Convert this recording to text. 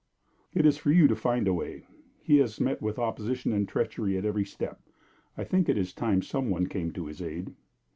"It is for you to find a way. He has met with opposition and treachery at every step; I think it is time some one came to his aid."